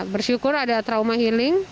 bersyukur ada trauma healing